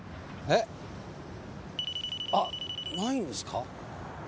えっ？あっないんですか？